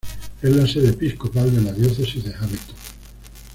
Es la sede episcopal de la diócesis de Hamilton.